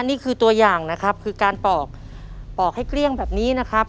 นี่คือตัวอย่างนะครับคือการปอกปอกให้เกลี้ยงแบบนี้นะครับ